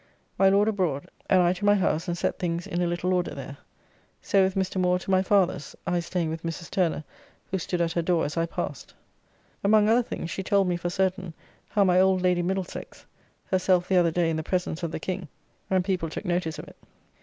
My Lord abroad, and I to my house and set things in a little order there. So with Mr. Moore to my father's, I staying with Mrs. Turner who stood at her door as I passed. Among other things she told me for certain how my old Lady Middlesex herself the other day in the presence of the King, and people took notice of it.